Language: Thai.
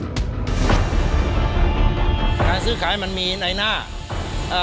การซื้อขายมันมีในหน้าเอ่อ